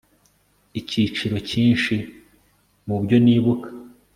igiciro cyinshi mubyo nibuka